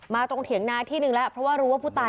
มาตรงเขียงน้าที่นึงเพราะเคราะห์รู้ว่าผู้ตาย